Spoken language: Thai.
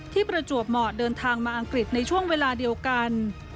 ประจวบเหมาะเดินทางมาอังกฤษในช่วงเวลาเดียวกัน